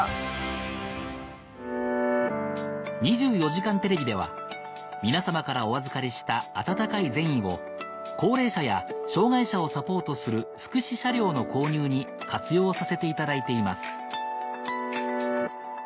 『２４時間テレビ』では皆様からお預かりした温かい善意を高齢者や障がい者をサポートする福祉車両の購入に活用させていただいています